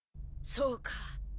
そうか。